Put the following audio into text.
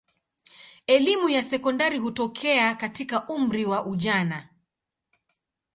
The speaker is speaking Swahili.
Elimu ya sekondari hutokea katika umri wa ujana.